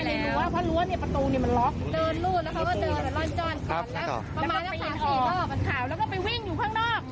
แล้วเขาก็เลยบอกกันบอกกันเราว่า